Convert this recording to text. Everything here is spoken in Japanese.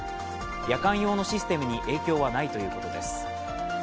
夜間用のシステムに影響はないということです